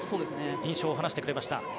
印象を話してくれました。